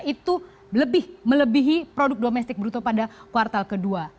itu melebihi produk domestik bruto pada kuartal kedua